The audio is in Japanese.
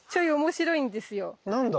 何だ？